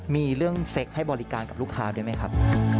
มีเรื่องเซ็กให้บริการกับลูกค้าด้วยไหมครับ